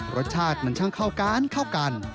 รสชาติมันช่างเข้ากันเข้ากัน